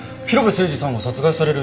誠児さんが殺害される